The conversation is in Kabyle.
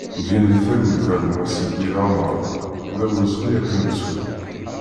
Gen di talwit a gma Seddi Lamara, d awezɣi ad k-nettu!